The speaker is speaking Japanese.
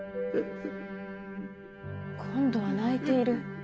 今度は泣いている。